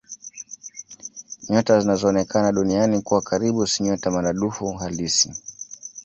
Nyota zinazoonekana Duniani kuwa karibu si nyota maradufu halisi.